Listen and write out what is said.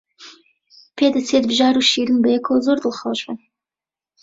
پێدەچێت بژار و شیرین بەیەکەوە زۆر دڵخۆش بن.